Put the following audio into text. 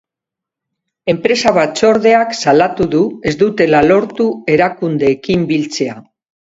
Enpresa batzordeak salatu du ez dutela lortu erakundeekin biltzea.